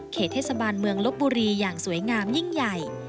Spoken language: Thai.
เทศบาลเมืองลบบุรีอย่างสวยงามยิ่งใหญ่